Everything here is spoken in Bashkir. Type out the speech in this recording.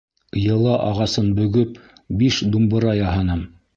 — Йыла ағасын бөгөп, биш думбыра яһаным.